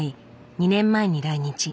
２年前に来日。